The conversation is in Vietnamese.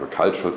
ví dụ như